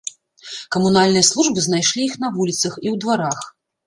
Камунальныя службы знайшлі іх на вуліцах і ў дварах.